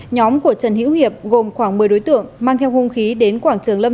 nhóm của trần hiễu hiệp gồm khoảng một mươi đối tượng mang theo hung khí đến quảng trường lâm